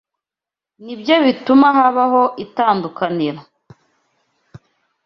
Nibyo bituma habaho itandukaniro.